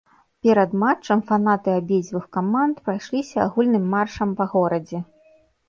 Перад матчам фанаты абедзвюх каманд прайшліся агульным маршам па горадзе.